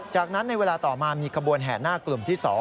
จากนั้นในเวลาต่อมามีขบวนแห่หน้ากลุ่มที่๒